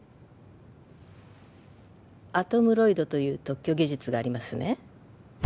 アトムロイドという特許技術がありますね